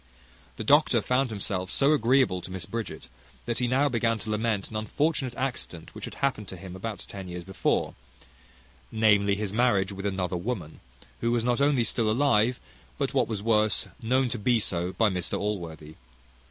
The doctor found himself so agreeable to Miss Bridget, that he now began to lament an unfortunate accident which had happened to him about ten years before; namely, his marriage with another woman, who was not only still alive, but, what was worse, known to be so by Mr Allworthy.